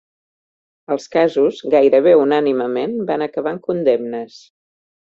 Els casos, gairebé unànimement, van acabar en condemnes.